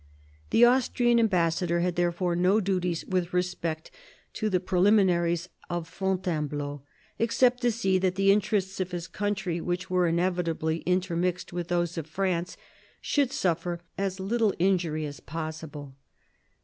The Austrian ambassador had therefore no duties with respect to the preliminaries of Fontainebleau, except to see that the interests of his country, which were inevitably intermixed with those of France, should suffer as little injury as possible.